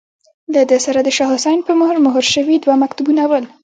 له ده سره د شاه حسين په مهر، مهر شوي دوه مکتوبونه ول.